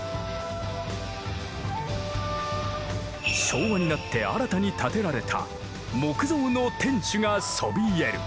昭和になって新たに建てられた木造の天守がそびえる。